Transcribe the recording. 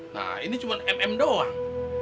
nah ini cuma mm doang